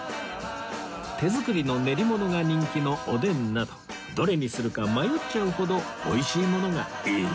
手作りの練り物が人気のおでんなどどれにするか迷っちゃうほど美味しいものがいっぱい